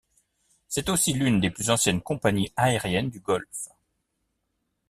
C'est aussi l'une des plus anciennes compagnies aériennes du Golfe.